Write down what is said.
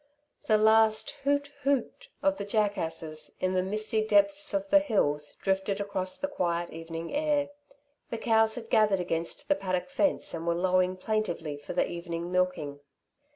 The last hoot hoot of the jackasses in the misty depths of the hills drifted across the quiet evening air. The cows had gathered against the paddock fence and were lowing plaintively for the evening milking.